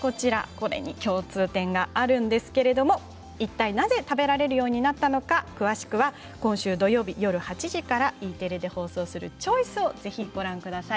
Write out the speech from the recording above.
この共通点があるんですけれどいったいなぜ食べられるようなったのか詳しくは今週土曜日、夜８時からＥテレで放送する「チョイス＠病気になったとき」をご覧ください。